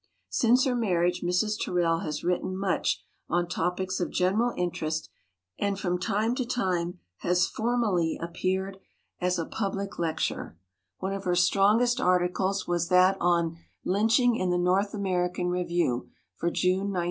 Since her marriage Mrs. Terrell has writ ten much on topics of general interest and from time to time has formally appeared as 88 WOMEN OF ACHIEVEMENT a public lecturer. One of her strongest arti cles was that on Lynching in the North American Review for June, 1904.